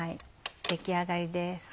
出来上がりです。